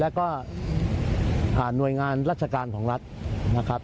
แล้วก็หน่วยงานราชการของรัฐนะครับ